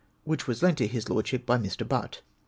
which was lent to his Lordship by Mr. Butt.